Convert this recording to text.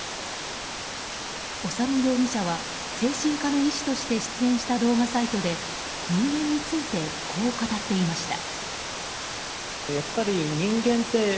修容疑者は、精神科の医師として出演した動画サイトで人間についてこう語っていました。